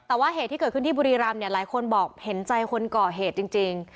แต่ว่าเหตุที่เกิดขึ้นที่บุรีรำเนี่ยหลายคนบอกเห็นใจคนก่อเหตุจริง